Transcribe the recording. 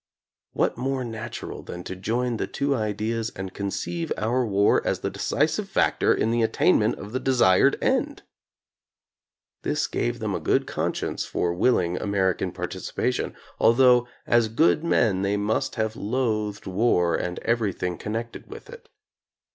What more natural than to join the two ideas and conceive our war as the decisive factor in the attainment of the desired end ! This gave them a good conscience for will ing American participation, although as good men they must have loathed war and everything con nected with it.